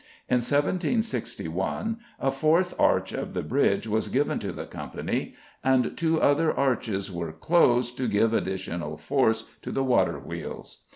In 1761 a fourth arch of the bridge was given to the Company, and two other arches were closed to give additional force to the water wheels.